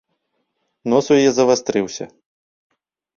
Нос у яе завастрыўся.